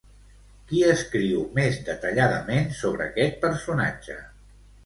Qui escriu més detalladament sobre aquest personatge?